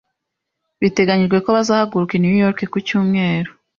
Biteganijwe ko bazahaguruka i New York ku cyumweru.